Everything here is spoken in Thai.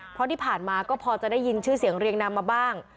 เพราะที่ผ่านมาก็พอจะได้ยินชื่อเสียงเรียงนามมาบ้าง